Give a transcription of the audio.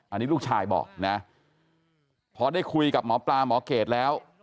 อันนี้ลูกชายบอกนะพอได้คุยกับหมอปลาหมอเกรดแล้ว